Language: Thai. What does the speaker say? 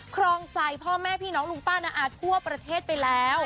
ครองใจพ่อแม่พี่น้องลุงป้าน้าอาจทั่วประเทศไปแล้ว